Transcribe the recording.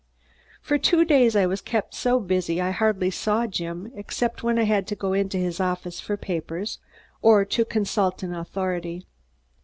For two days I was kept so busy I hardly saw Jim except when I had to go into his office for papers, or to consult an authority.